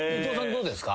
どうですか？